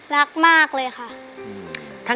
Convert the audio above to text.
รักมากเลยค่ะ